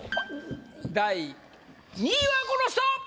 第２位はこの人！